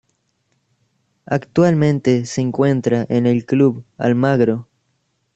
Actualmente se encuentra en el Club Almagro.